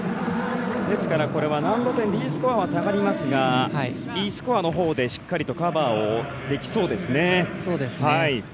ですから、難度点Ｄスコアは下がりますがＥスコアのほうでしっかりとカバーをできそうですね。